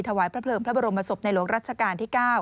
ถวายพระเพลิงพระบรมศพในหลวงรัชกาลที่๙